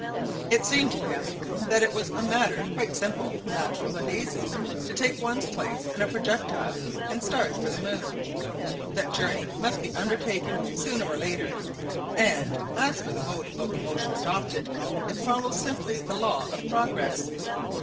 It seemed to him that it was a matter quite simple, natural, and easy to take one's place in a projectile and start for the moon! That journey must be undertaken sooner or later; and, as for the mode of locomotion adopted, it follows simply the law of progress.